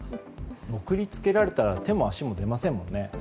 送り付けられたら手も足も出ませんもんね。